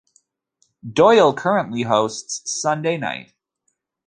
Doyle currently hosts Sunday Night.